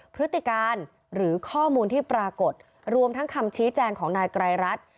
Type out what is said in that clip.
พฤติการหรือข้อมูลที่ปรากฏรวมทั้งคำชี้แจงของนายไกรรัฐ